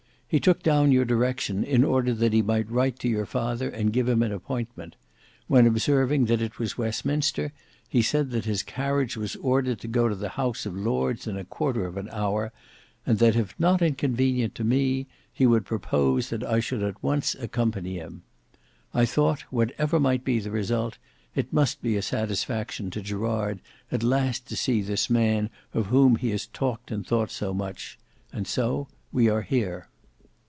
He took down your direction in order that he might write to your father and give him an appointment; when observing that it was Westminster, he said that his carriage was ordered to go to the House of Lords in a quarter of an hour, and that if not inconvenient to me, he would propose that I should at once accompany him. I thought, whatever might be the result, it must be a satisfaction to Gerard at last to see this man of whom he has talked and thought so much—and so we are here."